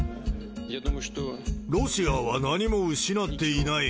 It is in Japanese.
ロシアは何も失っていない。